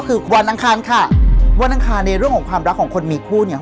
คือวันอังคารค่ะวันอังคารในเรื่องของความรักของคนมีคู่เนี่ย